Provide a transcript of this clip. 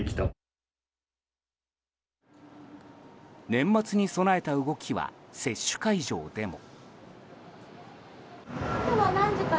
年末に備えた動きは接種会場でも。